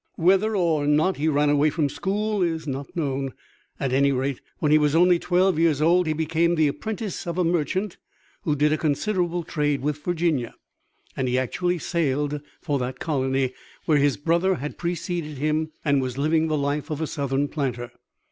Whether or no he ran away from school is not known. At any rate, when he was only twelve years old, he became the apprentice of a merchant who did a considerable trade with Virginia, and he actually sailed for that colony, where his brother had preceded him and was living the life of a Southern planter.